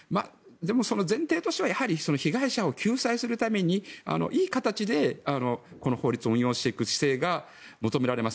でも、その前提としては被害者を救済するためにいい形で、この法律を運用していく姿勢が求められます。